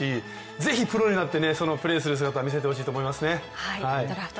ぜひプロになって、プレーする姿見せてほしいと思います。